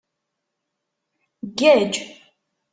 Ggaǧ.